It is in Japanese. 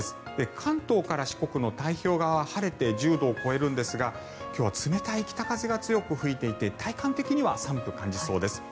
関東から四国の太平洋側は晴れて１０度を超えるんですが今日は冷たい北風が強く吹いていて体感的には寒く感じそうです。